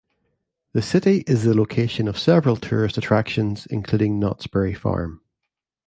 The city is the location of several tourist attractions, including Knott's Berry Farm.